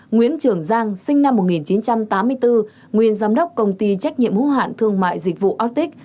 nguyễn trường giang sinh năm một nghìn chín trăm tám mươi bốn nguyên giám đốc công ty trách nhiệm hữu hạn thương mại dịch vụ aotic